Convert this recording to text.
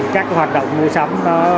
các hoạt động mua sắm